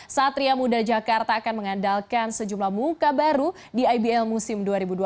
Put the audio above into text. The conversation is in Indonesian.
satria muda jakarta akan mengandalkan sejumlah muka baru di ibl musim dua ribu dua puluh